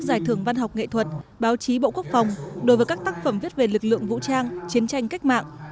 giải thưởng văn học nghệ thuật báo chí bộ quốc phòng đối với các tác phẩm viết về lực lượng vũ trang chiến tranh cách mạng